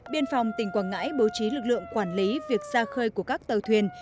biên phòng tỉnh quảng ngãi bố trí lực lượng quản lý việc ra khơi của các tàu thuyền